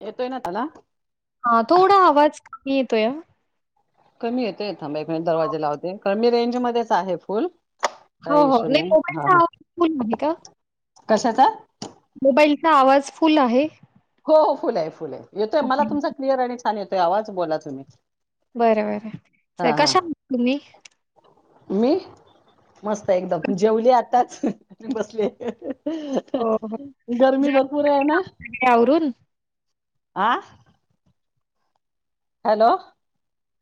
येतोय ना त्याला? हां थोडा आवाज येतोया कमी येतोय? थांबा एक मीनीट दरवाजा लावते कारण मी रेंज मध्येच आहे फुल्ल. हो-हो नाही मोबाईलचा [unintelligible] फुलं आहे का? कशाचा? मोबाईलचा आवाज फुल आहे? हो हो फुल आहे फुल आहे येतोय मला ओके. तुमचा क्लिअर आणि छान येतोय आवाज बोला तुम्ही. बर बर. हा हा कशा तुम्ही? मी मस्त एकदम. जेवली आताच बसले. हो, हो. गरमी झाली भरपूर आहे ना? कामं सगळी आवरून? आ. हॅलो...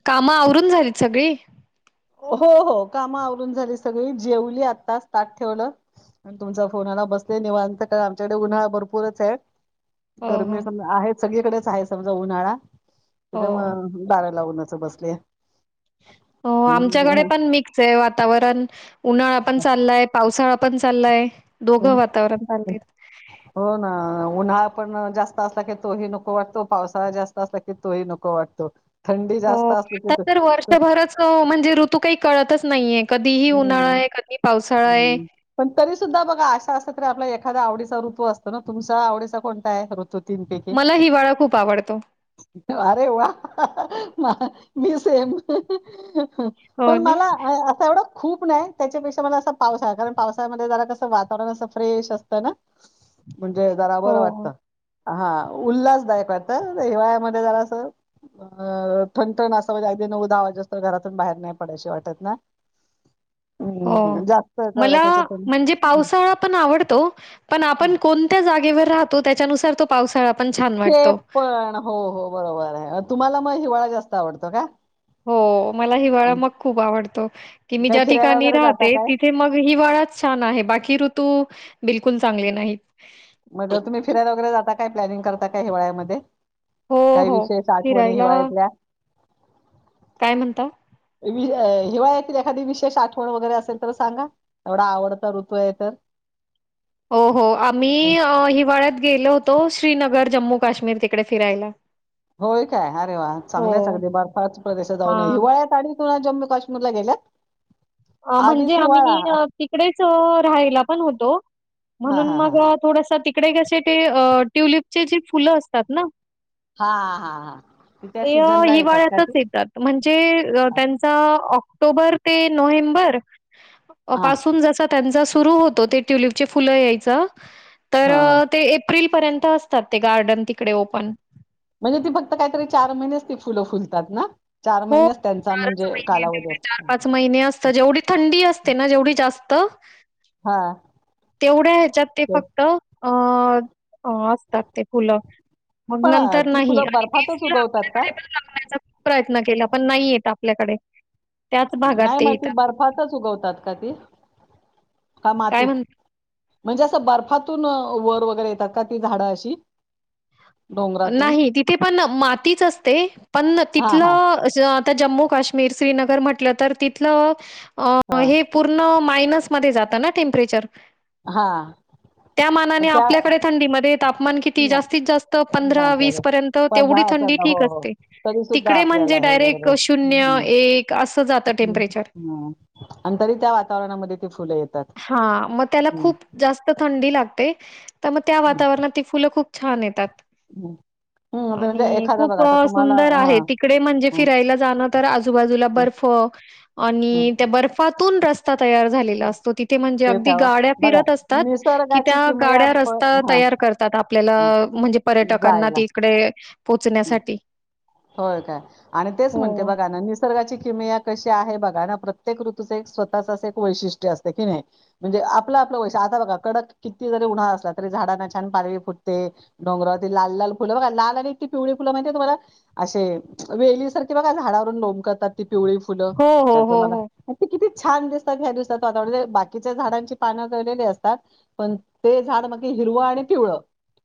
काम आवरून झालीत सगळी? हो हो काम आवरून झाली सगळी जेवली आता तात ठेवलं तुमचा फोन आला. बसलेव आमच्याकडे उन्हाळा भरपूरच आहे. हो, हो. गरमी समज आहे सगळीकडेच आहे समजा उन्हाळा. हो. त्याच्यामुळं बारा ला उन्हाचं बसले. हो आमच्याकडे पण मिक्स आहे वातावरण उन्हाळा पण चाललाय पावसाळा. आपण चाललाय दोघं वातावरण चालत आपण जास्त असला की तोही नको वाटतो पावसाळा जास्त असला की तोही नको वाटतो थंडी हो जास्त असली आता की तर वर्षभरच म्हणजे ऋतू काही कळतच नाहीये. कधीही उन्हाळा हम्म आहे कधी पावसाळा आहे असं असत आपला एखादा आवडीचा ऋतू असतो ना. तुमचा आवडीचा कोणताय ऋतू? तीनपैकी? मला हिवाळा खूप आवडतो. मारे वा म मी सेम. ह हो पण ना? मला असं एवढं. खूप नाही त्याच्यापेक्षा मला असा पावसा कारण पावसामध्ये जरा कसं वातावरण असं फ्रेश असतं ना. म्हणजे जरा बरं हो. वाटतं. हा उल्हासदायक आहेता हिवाळ्यामध्ये जरा अस [unintelligible] अं ठणठण असा म्हणजे अगदी नऊ दहा वाजूस्तर घरातून बाहेर नाही पडाशी वाटत ना? हो. हम्म जा मला म्हणजे पावसाळा पण आवडतो पण आपण कोणत्या जागेवर राहतो त्या. त्यानुसार तो पावसाळा. पण छान तेे वाटतो. पण हो हो बरोबर आहे. तुम्हाला मग हिवाळा जास्त आवडतो का? हो मला हिवाळा मग खूप आवडतो की मी काही ज्या फिरायला ठिकाणी वगैरे जाता राहते काय? तिथे मग हिवाळा छान आहे बाकी ऋतू बिलकुल चांगले नाहीत. मग तुम्ही फिरायला वगैरे जाता काय प्लॅनिंग करता का हिवाळ्यामध्ये? हो, काही हो. विशेष आठवणी फिरायला हिवाळतल्या? काय म्हणता. हिवाळ येतील एखादी विशेष आठवण वगैरे असेल तर सांगा एवढा आवडता ऋतू आहे तर? हो हो आम्ही हिवाळ्यात गेलो होत. तो श्रीनगर जम्मू काश्मीर तिकडे फिरायला. होय काय अरे वा हो. चांगल्यायच अगदी बर्फाच प्रदेशात जाऊनय हां. हिवाळ्यात आणि त जम्मू काश्मीर ला गेल्यात. म्हणजे आधीच हिवाळा आम्ही तिकडेच राहायला पण होतो. हां, म्हणून हां, मग हां. थोडसा तिकडे कसे ते ट्युलिपचे जे फुलं असतात ना. हा हा हा ते हिवाळ्यातच येतात म्हणजे हां, त्यांचा ऑक्टोबर ते नोव्हेंबर पासून जसा त्यांचा सुरू होतो सुरू होतो ते ट्युलिपचे फुलं यायचं तर हां, हां. ते एप्रिल पर्यंत असतात ते गार्डन तिकडे ओपन म्हणजे ती फक्त काहीतरी चार महिनेच ती फुलं फुलतात ना. हो महिनेच त्यांचा चारच म्हणजे कालावधी महिनेच चार असतो. पाच महिने असत जेवढी थंडी असते ना जेवढी जास्त हां. तेवढ्या ह्याच्यात ते तर फक्त अ [unintelligible] अ असतात ते फुलं मग पण अ, नंतर ती नाही फुलं बर्फातच उगवतात का? आपल्याकडे पण आणण्याचा प्रयत्न के पण नाही येत आपल्याकडे त्याच भागात नाही ते मग ती येतात फक्त. बर्फातच उगवतात का ती का काय मातीत म्हण म्हणजे असं बर्फातून वर वगैरे येतात का ती झाडं अशी डोंगरातून? नाही तिथे पण मातीच असते पण हां, हां. तिथलं आता जम्मू काश्मीर श्रीनगर म्हटलं तर तिथलं अ हां, हे पूर्ण मायनस मध्ये जात ना टेंपरेचर हां. त्या मानाने त्या आपल्याकडे थंडीमध्ये तापमान किती नाही जास्तीत जास्त पंधरा नाही वीस करत. पर्यंत पण हा तेवढी थंडी असं हो ठीक हो असते तरी सुद्धा तिकडे आपल्याला म्हणजे डायरेक्ट शून्य एक हम् आणि तरी त्या वातावरणामध्ये ते फुलं येतात हां, मग त्याला हम् खूप जास्त थंडी लागते तर मग त्या वातावरणात ती फुलं खूप छान येतात हो आणि खूप सुंदर आहे तिकडे म्हणजे हं, फिरायला जाणं तर आजूबाजूला हं, बर्फ हं. आणि त्या बर्फातून बर्फ तयार झालेला असतो तिथे म्हणजे तेच अगदी हवं गाड्या बघा फिरत असतात की निसर्गाची त्या किमया गाड्या प- रस्ता हा तयार आपल्याला हा. म्हणजे पर्यटकांना त जायला इकडे पोहोचण्यासाठी होय काय आणि तेच म्हणते हो. बघा ना निसर्गाची किम या कशी आहे बघा ना प्रत्येक ऋतू च एक स्वतः च अस एक वैशिष्ट्य असत कनी म्हणजे आपल आपल वैशिष्ट्य कडक किती जरी उन्हाळा असला तरी झाडांना छान पालवी फुटते डोंगरावरती लाल लाल फुलं बघायला मिळते पिवळी फुलं माहितीये तुम्हाला अशी वेली सारखी झाडावरून लोमकळतात पिवळी फुलं हो, हो, त्याच हो, मला हो. ते किती छान दिसते छान दिसतात ह्या दिवसात आता बाकीच्या झाडांची पानं गळलेली असतात पण ते झाड हिरवं आणि पिवळ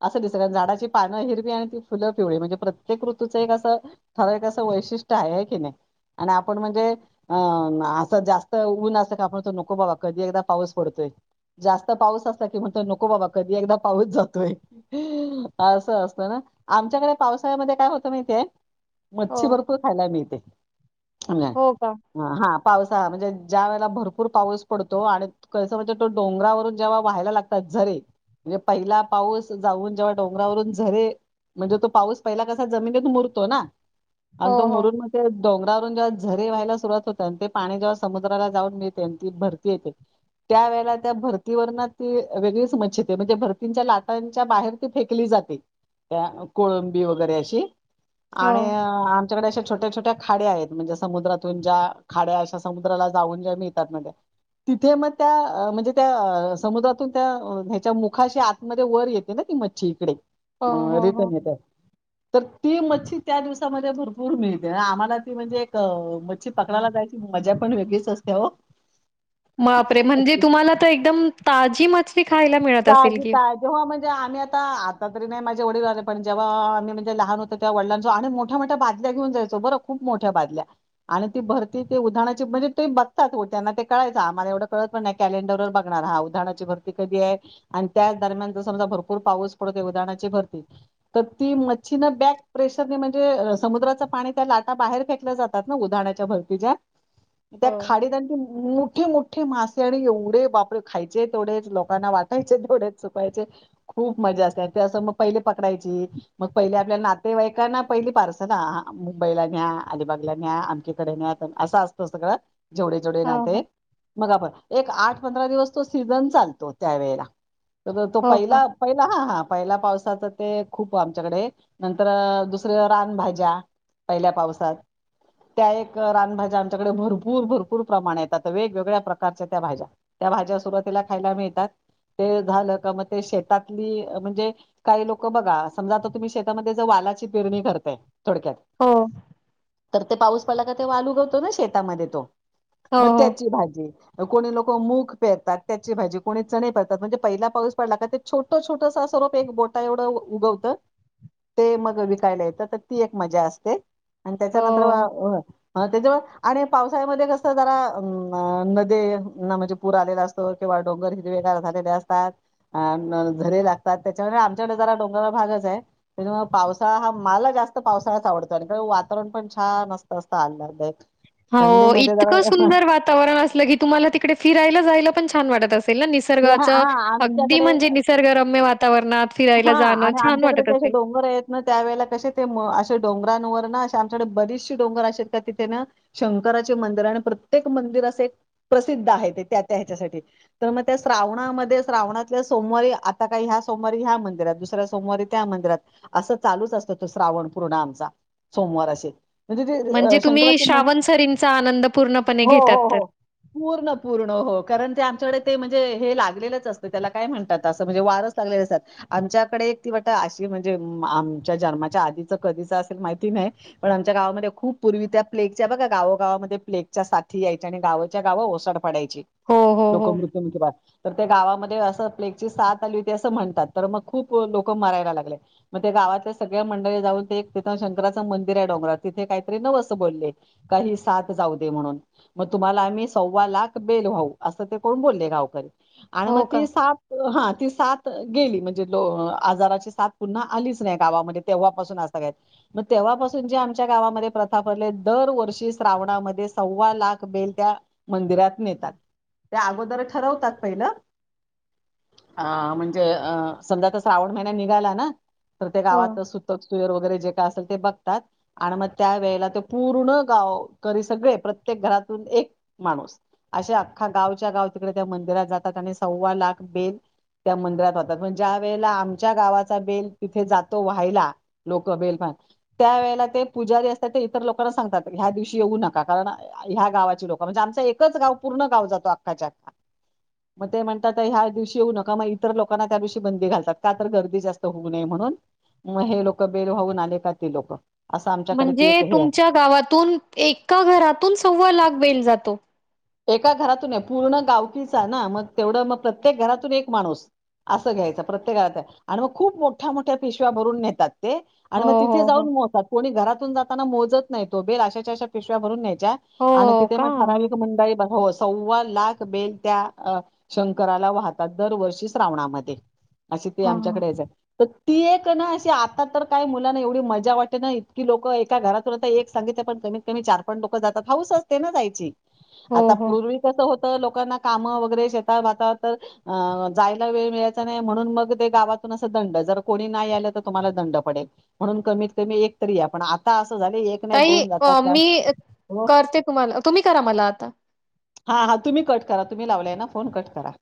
असं दिस झाडाची पानं हिरवी आणि त फुलं पिवळी म्हणजे प्रत्येक ऋतू एक असं ठराविक अस वैशिष्ट्य आहे हे की नाही आणि आपण म्हणजे अं असं जास्त ऊन असत का आपण नको बाबा कधी एकदा पाऊस पडतोय जास्त पाऊस असता कि म्हणतो नको बाबा कधी एकदा पाऊस जातोय असं असत ना आमच्याकडे पावसाळ्यामध्ये काय होत माहितीये काय मच्छी हो, भरपूर खायला मिळते हो का? हा पावसाळा म्हणजे ज्या वेळेला भरपूर पाऊस पडतो आणि कस म्हणजे तो डोंगरावरून जेव्हा वाहायला लागतात झरे म्हणजे पहिला पाऊस जाऊन जेव्हा डोंगरावरून झरे वाहतात म्हणजे तो पाऊस पहिला कसा जमिनीत मुरतो ना हो, आणि तो हो. मुरून मण ते डोंगरावरून जेव्हा झरे व्हायला सुरुात होते आणि ते पाणी जेव्हा समुद्राला जाऊन मिळते आणि ती भरती येते त्या वेळे त्या भरतीवर ती वेगळीच मच्छेते म्हणजे भरतींच्या लाटांच्या बाहेर ती फेकली जाते त्या कोळंबी वगैरे अशी हो. आणि त्याच्याकडे अशा छोट्या छोट्या खाड्या आहेत म्हणजे समुद्रातून ज्या खाड्या अशा समुद्राला जाऊन ज्या मिळतात तिथे मग त्या म्हणजे त्या समुद्रातून त्या ह्याच्या मुखाशी आतमध्ये वर येते ना मच्छी इकडे हो, हो, हो. रिटर्न येतात तर ती मच्छी त्या दिवसामध्ये भरपूर मिळते आम्हाला ती म्हणजे एक मच्छी पकडाला जायची मजा पण वेगळीच असते हो बापरे म्हणजे तुम्हाला तर एकदम ताजी मच्छी मिळतात खायला मिळत असेल ताजी की ता जेव्हा म्हणजे आम्ही आता आता तरी नाही माझे वडील आले पण जेव्हा आम्हीणजे लहान होत तेव्हा माझ्या वडिलांच्या मोठमोठ्या घेऊन जायचो बर खूप मोठ्या बदल्या आणि ती भरती उद्यानाचे म्हणजे ते बगतात ओ त्यांना ते य आम्हाला एवढं कळत पण नाही कॅलेंडर बघणार हा उधाणाची भरती कधी आहे.. आणि त्याच दरम्यान जर समजा भरपूर पाऊस पडत उधाणाची भरती... प्रेशरने म्हणजे समुद्राचं पाणी त्या लाटा बाहेर फेकल्या जातात ना उधाणाच्या भरती ज्या... त्या हो. खाडीत... मोठे मोठे मासे आणि एवढे बापरे खायचे तेवढे लोकां वाट... खायचे खूप मजा असते ते अस मग पहिले पकडाची मग पहिले आपल्याला नाते.. नातेवाईकांना पहिली पार्सल ना मुंबईला न्या अलिबागला न्या आमचीकडे न्या असं असतो सगळं... जेवढे जेवढे हो, हो. नाते मग आप एक आठ पंधरा दिवस तो सीझन चालतो त्यावेेळेला... तर तो हो का? पहिला पहिला हा हा... पहिला पावसाचं ते खूप आमच्याकडे नंतर दुसरे रानभाज्या... पहिल्या पावसात... त्या एक रानभाज्या आमच्याकडे भरपूर भरपूर प्रमाण येतात वेगवेगळ्या प्रकारच्या त्या भाज्या त्या भाज्या सुरुवातीला खायला मिळतात... ते झालं का मग ते शेतातली म्हणजे काही लोक बघा समजा आता तुम्ही शेतामध्ये वाला... पेरणी करताय... थोडक्यात हो.... तर ते पाऊस पडला का ते वाल गावतो ना शेतामध्ये तो हो, मग हो. त्याची भाजी... कोणी लोक मूख पेरतात त्याचे भाजे कोणी चने पेरतात... म्हणजे पहिला पाऊस पडला का ते छोट छोटसा स्वरूप एक बोटा एवढं उगवतं... ते मग विकायला येतं तर ती एक मजा असते आणि त्याच्यानंतर... हो, ह त्याच्या आणि पावसाळ्यामध्ये कस जरा नदीना म्हणजे पूर आलेला असतो किंवा... डोंगर हिरवे गार लातात त्याच्या आम जरा डोंगर भाग त्या आहे पावसाळा हा मला जास्त पावसाळ्याच आवडतो आणि वातावरण पण छान असतं आल्हादायक.... हो इतकं सुंदर वातावरण असलं की तुम्हाला तिकडे फिरायला जायला पण छान वाटत.. ते हां निसर्गाच हां, अगदी आमच्याकडे म्हणजे निसर्गरम्य वातावरणात फिरायला हां जाणं आणि छान आमच्याकडे वाटत ते असेल... असे डोंगर आहेत ना त्यावेळेला कसे ते असे डोंगर... आमच्याकडे बरीचसे डोंगर अस आहेत का तिथे ना शंकराचे मंदिर आणि प्रत्येक मंदिर असे... प्रसिद्ध आहे ते त्या त्या ह्याच्यासाठी तर मग... त्या श्रावणामध्ये श्रावणातल्या सोमवारी आता काही ह्या सोमवारी ह्या मंदिरात दुसऱ्या सोमवारी त्या मंदिरात... असं चालूच असतं तो श्रावण पूर्ण आमचा सोमवार असे... म्हणजे ते तुम्ही शंकराच ना श्रावण सरींचा आनंद पूर्णपणे हो घेतात हो तर. हो... पूर्ण पूर्ण हो कारण ते आमच्याकडे... म्हणे हे लागलेच अस त्या काय म्हणतात अस म्हजे वारच लागलेतात आमच्याकडे... म्हंजे आमच्या जन्माचया आधीच कधीेच असेल माहिती नाही..... बघा गाव गावामध्ये प्लेगच्या साथी यायच्या आणि गावाच्या गाव ओसाड पडायची हो, हो, हो. लोकमृत्य तर त्या गावामध्ये असं प्लेगची साथ आली होती असं म्हणतात तर मग खूप लोक मरायला लागले.. मग ते गावातल्या सगळ्या मंडळी जाऊन ते एक तिथं शंकराचं मंदिर आहे डोंगरात तिथे काहीतरी नवसं बोलले... काही सात जाऊ दे म्हणून मग तुम्हाला आम्ही सव्वा लाख बेल व्हाऊ असं ते करून बोलले गावकरी आणि मग हो का? त साप ह ते साप.... गे म्हणजे आजाराची साथ पुन्हा आलीच नाही गावामध्ये तेव्हापून अस आहे... गावापासून जे आमच्या गावामध्ये प्रथा पडले दरवर्षी श्रावणामध्ये सव्वा लाख बेल त्या मंदिरात नेतात त्या अगोदर ठरवतात पहिलं.... अ म्हणजे अ समजा तर श्रावण महिन्यात निघाला ना.... तर ते हो. गावातच सुतक तुयर वगैरे जे.... काय असेल ते बघतात आणि मग त्या वळे पूर्ण गावकरी सगळे प्रत्येक घरातून.... एक माणूस अशा अख्खा गावच्या गाव तिकडे त्या मंदिरात जातात आणि सव्वा लाख बेल... त्या मंदिरात होतात पण ज्या वेळेला आमच्या गावाचा बेल तिथे जातो व्हायला लोक बेल म्हन..... त्या वेळेला ते पु लजारी असतात इतर लोकांना सांगतात ह्या दिवशी येऊ नका कारण ह्या गावाची... लोक म्हणजे आमच एकच गाव पूर्ण गावा जातो आखाच्या आखा... [unintelligible] मग ते म्हणतात ह्या दिवशी होऊ नका मग इतर लोकांना त्या दिवशी बंदी घालतात का तर गर्दी जास्त होऊ नये म्हणून मग हे लोक बेलवाऊून आले का ती लोक असं आमच्याकडे ती म्हणजे एक हे आहे तुमच्या गावातून एका घरातून सव्वा लाख बेल जातो एका घरातून आहे पूर्ण गावकीचा ना मग तेवढं मग प्रत्येक घरातून एक माणूस असं घ्यायचं प्रत्येक घात आणि मग खूप मोठ्या मोठ्या पिशव्या भरून नेतात हो, आणि मग तिथे हो, हो. जाऊन मोजतात कोणी घरातून जाताना मोजत नाही तो बेल आशाच्या अशा पिशव्या भरून नाही हो आणि तिथे मग का? ठराव मुंई हो सव्वा लाख बेल त्या शंकराला वाहतात दरवर्षी श्रावणामध्ये अशी ते हां, आमच्याकडेच आहे ती एक ना अशी आता तर काय मुलाना एवढी मजा वाटते ना इतकी लोक एका घरातून आता एक सांगित पण क क चारोक जात हऊस असते नायची हो, आता हो. पूर् क तर लोकांना काम वगैरे शेतात भात तर जायला वेळ मिळायचा नाही म्हणून मग ते गावात कोणी नाही तुम्हाला दंड पल म्हणून कत कण आ तही अ मी हो करते तुम्हाला तुम्ही करा मला आता हा हा तुम्ही कट करा तुम्ही लावलाय ना फोन कट करा